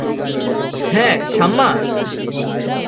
হ্যাঁ, শাম্মা?